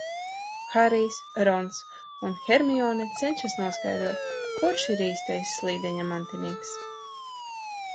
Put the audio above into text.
Harijs, Rons un Hermione cenšas noskaidrot, kurš ir īstais Slīdeņa mantinieks.